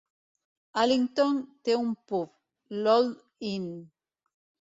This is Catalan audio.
Allington té un pub, l'Old Inn.